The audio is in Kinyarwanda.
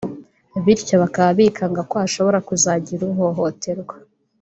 bityo bakaba bikanga ko hashobora kuzagira uhohoterwa